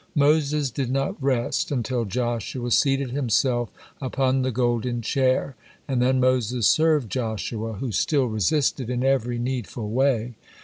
'" Moses did not rest until Joshua seated himself upon the golden chair, and then Moses served Joshua, who still resisted, in every needful way.